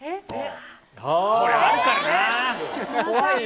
これ、あるかな。